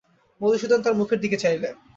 মধুসূদন তার মুখের দিকে চাইলে।